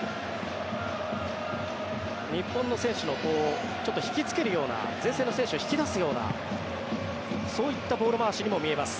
日本の選手を引きつけるような前線の選手を引き出すようなそういったボール回しにも見えます。